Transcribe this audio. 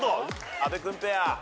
阿部君ペア。